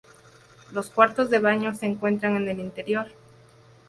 Los cuartos de baño se encuentran en el interior.